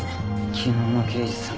昨日の刑事さんか。